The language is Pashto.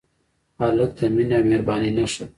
هلک د مینې او مهربانۍ نښه ده.